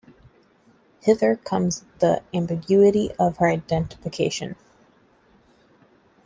Hither comes the ambiguity of her identification.